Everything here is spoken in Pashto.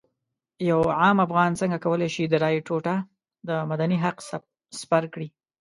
یو عام افغان څنګه کولی شي د رایې ټوټه د مدني حق سپر کړي.